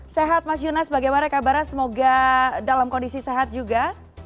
sehat mas junas bagaimana kabarnya semoga dalam kondisi sehat juga